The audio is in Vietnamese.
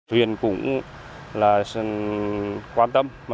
huyện cũng quan tâm